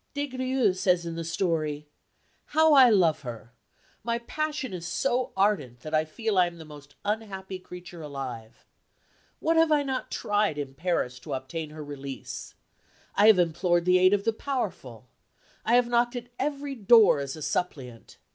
Des Grieux says in the story, "How I love her! My passion is so ardent that I feel I am the most unhappy creature alive. What have I not tried in Paris to obtain her release. I have implored the aid of the powerful. I have knocked at every door as a suppliant.